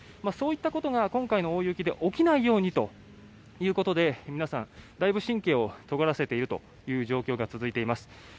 そういったことが今回の大雪で起きないようにということで皆さんだいぶ神経をとがらせているという状況が続いています。